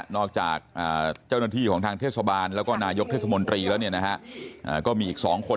นอกจากเจ้าหน้าที่ของทางเทศบาลแล้วก็นายกเทศมนตรีแล้วเนี่ยนะฮะก็มีอีกสองคน